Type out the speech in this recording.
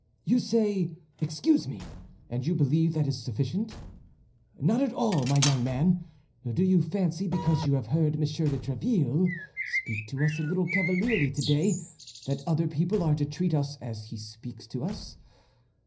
You say, 'Excuse me,' and you believe that is sufficient? Not at all, my young man. Do you fancy because you have heard Monsieur de Tréville speak to us a little cavalierly today that other people are to treat us as he speaks to us?